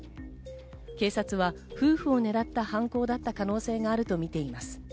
警察は夫婦をねらった犯行だった可能性があるとみています。